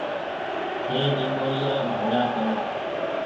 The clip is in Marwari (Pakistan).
ٿَي نمٻوڙيا ڀيڙا ڪرو۔